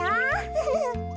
フフフン。